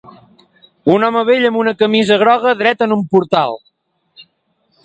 Un home vell amb una camisa groga dret en un portal.